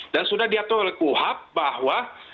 dan sudah diatur oleh kuhab bahwa